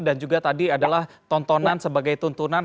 dan juga tadi adalah tontonan sebagai tuntunan